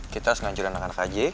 kita harus ngancurin anak anak kj